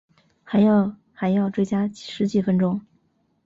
还要还要追加十几分钟